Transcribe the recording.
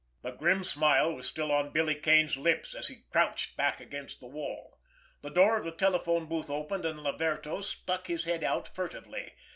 The grim smile was still on Billy Kane's lips, as he crouched back against the wall. The door of the telephone booth opened, and Laverto stuck his head out furtively.